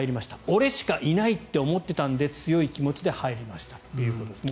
俺しかいないと思ってたんで強い気持ちで入りましたということです。